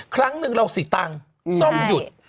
ครั้งนึงเราสิตังฯซ่อมหยุด